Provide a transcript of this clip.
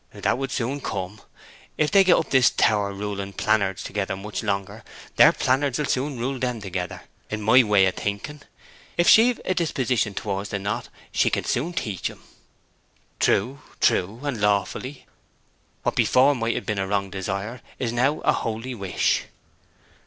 'That would soon come. If they get up this tower ruling plannards together much longer, their plannards will soon rule them together, in my way o' thinking. If she've a disposition towards the knot, she can soon teach him.' 'True, true, and lawfully. What before mid ha' been a wrong desire is now a holy wish!'